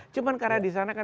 cuman karena disana kan